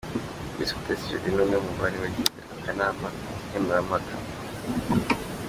Miss Mutesi Jolly ni umwe mu bari bagize akanama nkemurampaka.